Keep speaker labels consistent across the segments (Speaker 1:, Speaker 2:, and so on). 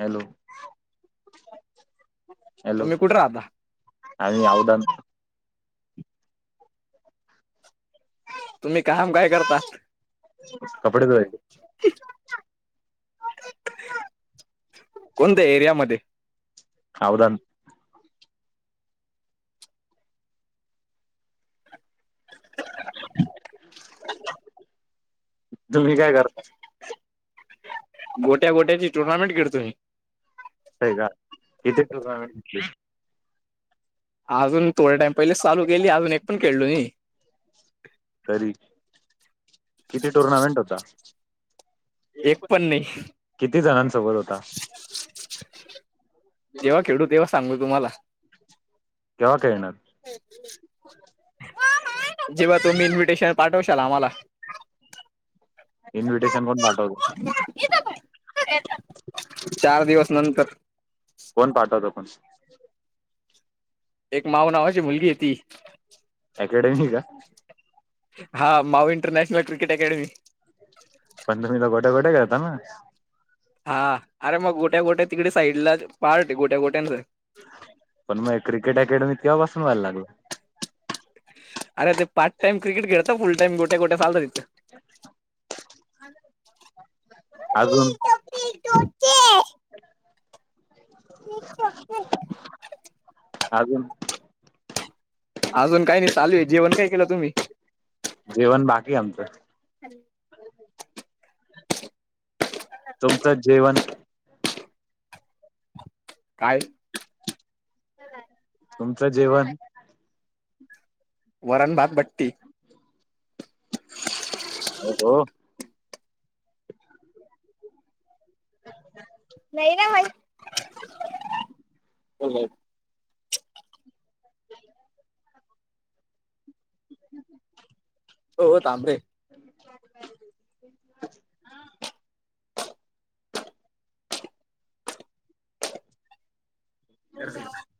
Speaker 1: Hello hello कुठं रा आणि आवडा
Speaker 2: तुम्ही काम काय करता कपडे कोणत्या एरिया मध्ये
Speaker 1: काय किती
Speaker 2: तुम्ही काय करता मोट्या मोट्याची टुर्नामेंट करतो मी
Speaker 1: ये झा यतेईत [unintelligible]
Speaker 2: अजून थोड टाइम पहिलेच चालू केली अजून एक पण खेळलो नही
Speaker 1: खरी किती टुर्नामेंट होता
Speaker 2: एक पण नाही
Speaker 1: किती जणांसोबत होता
Speaker 2: भडू तेव्हा सांगु तुम्हाला
Speaker 1: केंव्हा खेळणार
Speaker 2: ह [inaudible] जेव्हा तुम्ही इन्व्हिटेशन पाठवशाल आम्हाला
Speaker 1: इनविटेशन कोन पाठवत
Speaker 2: [inaudible] चार दिवस नंतर
Speaker 1: कोण पाठवतस
Speaker 2: एक माव नावाची मुलगी हे ती
Speaker 1: अॅकडेमी का
Speaker 2: हा माऊ इंटरनॅशनल क्रिकेट अकॅडमी
Speaker 1: पण तुम्ही तर गोठ्या गोठया खेळताना
Speaker 2: हा अरे मग गोठ्या गोठ्या तिकडे साईडला पार्ट आहे गोट्या गोठ्यांचं
Speaker 1: पण मग क्रिकेट अकॅडमीत केव्हापासून जायला लागलं
Speaker 2: अरे ते पार्ट टाम क्रिकेट खेळतात फुल टाम गोठ्या गोट्या चालत तिथं
Speaker 1: अजून
Speaker 2: [unintelligible]
Speaker 1: अजून
Speaker 2: अजून काही नाही चालू आहे जेवण काय केलं तुम्ही
Speaker 1: जेवण बाकी आमचं
Speaker 2: ह
Speaker 1: तुमचं जेवन तुमचं जेवण
Speaker 2: वरण भात भट्टी
Speaker 1: वो हो
Speaker 2: नाही ना मा
Speaker 1: अहं
Speaker 2: हो तांब रे.
Speaker 1: [unintelligible]
Speaker 2: [unintelligible]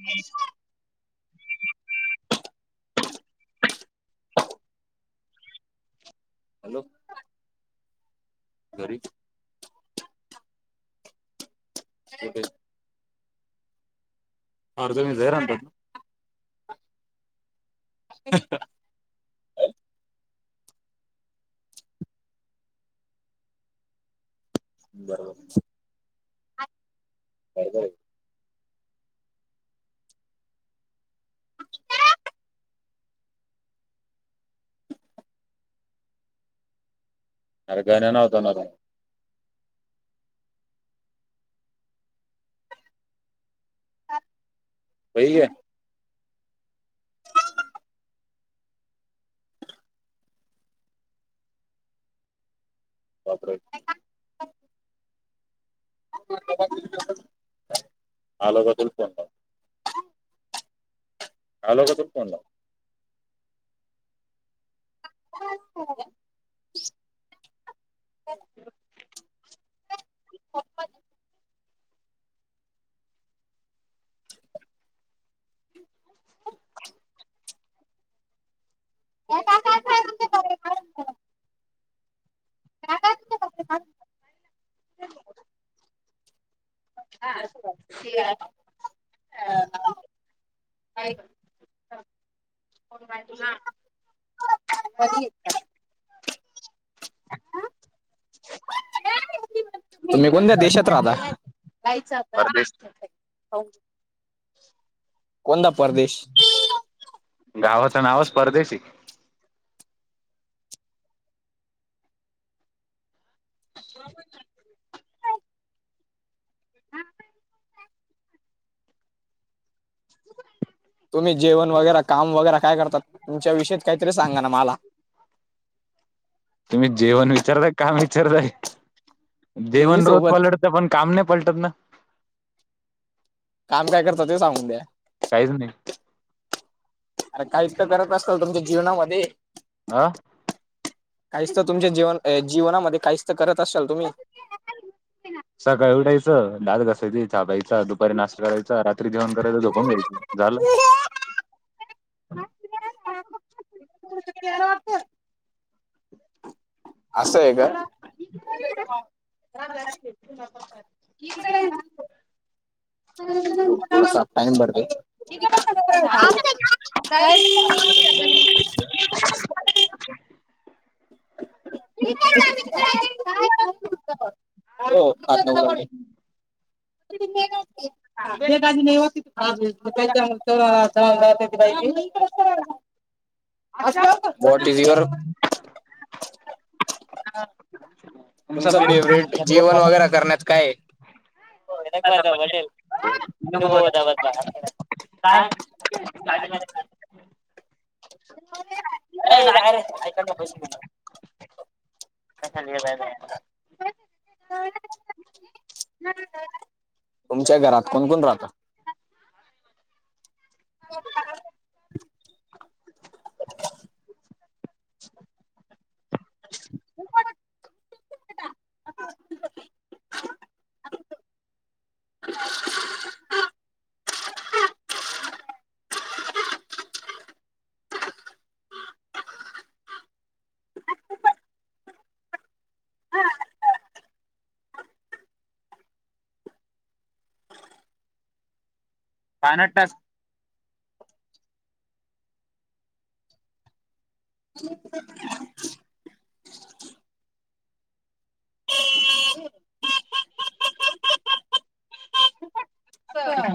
Speaker 2: [unintelligible] हॅलो. घरी. ओके. अर्ध मी [unintelligible] बरोबर. अरे घरी नव्हता ना तो. [unintelligible] [unintelligible] [unintelligible] आलो [unintelligible] फोन लाव. [unintelligible] [unintelligible] [unintelligible] काय [unintelligible]
Speaker 1: हा [unintelligible] [unintelligible] मुलगा हाय तुला.
Speaker 2: [unintelligible] तुम्ही कोणत्या देशात राहता? कोणता प्रदेश.
Speaker 1: गावाचं नावच परदेशये.
Speaker 2: तुम्ही जेवण वगैरे काम वगैरे काय करतात, तुमच्या विषयी काहीतरी सांगा ना मला.
Speaker 1: तुम्ही जेवण विचारताय काम विचारताय, जेवण रोज पलडत पण काम नाही पलटत ना.
Speaker 2: काम काय करत ते सांगून द्या. अरे काहीच तर करत असतल तुमच्या जीवनामध्ये.
Speaker 1: हा.
Speaker 2: काहीच तर तुमच्या जीवन जीवनामध्ये काहीच तर करत असाल तुम्ही.
Speaker 1: सकाळ उठायचं दात घसायच चहा प्यायचा दुपारी नाश्ता करायच रात त्री जेवण करायचं झोपून जायच झालं.
Speaker 2: [unintelligible] असं आहे का. [unintelligible] [unintelligible] टाईम भरतो, [unintelligible]
Speaker 1: [unintelligible]
Speaker 2: [unintelligible] ती मेग असते. [unintelligible]
Speaker 1: [unintelligible]
Speaker 2: तुमचं फेवरेट जेवण वगैरे करण्यात काय ये? [unintelligible] [unintelligible] [unintelligible]
Speaker 1: [unintelligible] [unintelligible]
Speaker 2: तुमच्या घरात कोण कोण राहत?
Speaker 1: हो पण
Speaker 2: पानट टच ह [inaudible]
Speaker 1: स [inaudible]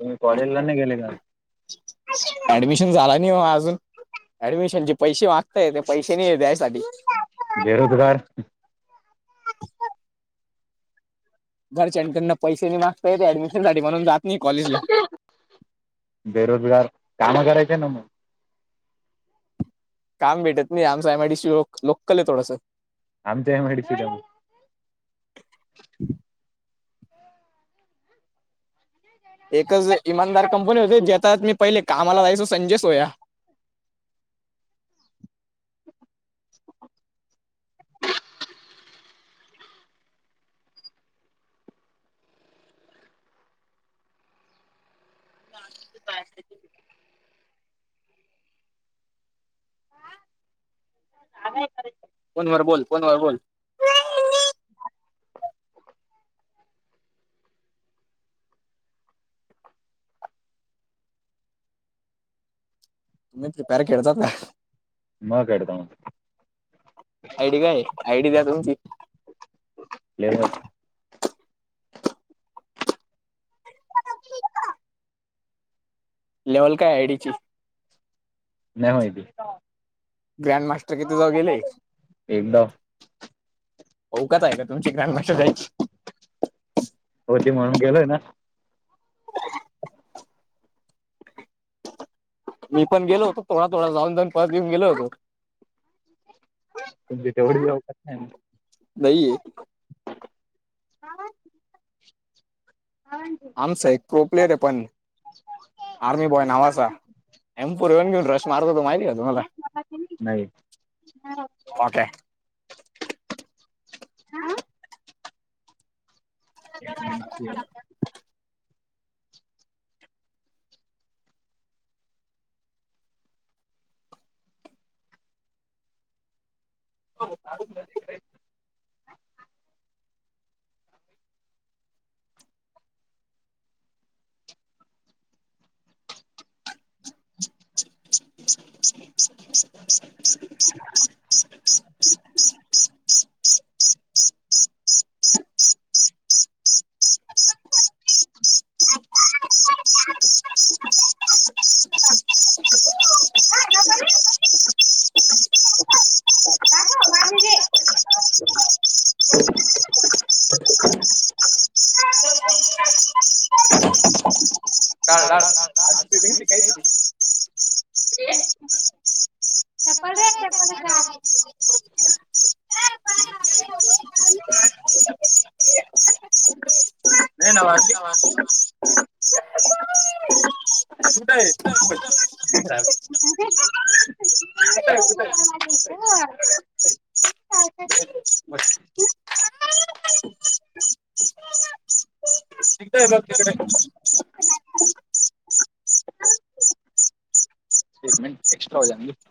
Speaker 1: तुम्ही कॉलेजला नाही गेले का?
Speaker 2: ऍडमिशन झाला नाही म अजून ऍडमिशन जे पैसे मागताय ते पैसे नाही आहे द्यायसाठी.
Speaker 1: बेरोजगार!
Speaker 2: घरच्यांकडना पैसे नाही मागता येते ऍडमिशन साठी, म्हणून जात नाही कॉलेजला.
Speaker 1: बेरोजगार, काम करायचे ना मग.
Speaker 2: काम भेटत नाही, आमच एम आय डी सी लक लोकल हे थोडसं.
Speaker 1: आमची एम आय डी सी [unintelligible]
Speaker 2: एकच इमानदार कंपनी होते ज्याचा मी पहिले आम्हाला जायचो संजय सोया. पा [inaudible]
Speaker 1: आ [unintelligible]
Speaker 2: फोन वर बोल फोन वर बोल. तम्ही प्रिपेर केतात [unintelligible]
Speaker 1: म काता [unintelligible]
Speaker 2: आयडी काय आयडी द्या तुमची
Speaker 1: [unintelligible] [inaudible]
Speaker 2: लेव्हल काय आयडी ची?
Speaker 1: नाही माहिती.
Speaker 2: ग्रँड मास्टर किथे जाऊ गेले? औकात आहे काय तुमची [unintelligible] जायची
Speaker 1: होती म्हणून गेलोय ना!
Speaker 2: मी पण गेलो होतो थोड थोडा जाऊ जाऊन परत घऊन गेल होतो.
Speaker 1: तुमची तेवढी बी औकात न्हाय.
Speaker 2: नाहीेये. आमचां एक को प्लेयर आहे पण.
Speaker 1: ह [unintelligible]
Speaker 2: आर्मी बॉय नावाचा एम्पूरेऊन घेऊन रश मारत होतो माहिती आहे तुम्हाला?
Speaker 1: नाही.
Speaker 2: म ते [unintelligible] [unintelligible]
Speaker 1: हो [unintelligible] [inaudible] ह [unintelligible]
Speaker 2: [unintelligible]
Speaker 1: मादी [unintelligible] डाळ डाळ [unintelligible] शिकायचं. चप्पल रे चप्पल [unintelligible]
Speaker 2: ह [unintelligible] [unintelligible] नाही नवासी नवासी कठ आहे [unintelligible]
Speaker 1: [unintelligible] ेत [unintelligible]
Speaker 2: सगताय मकडे [unintelligible]
Speaker 1: एक्स्ट्रा [unintelligible]